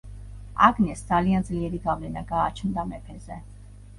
აგნესს ძალიან ძლიერი გავლენა გააჩნდა მეფეზე.